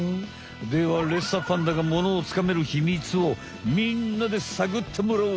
ではレッサーパンダがモノをつかめるヒミツをみんなでさぐってもらおう！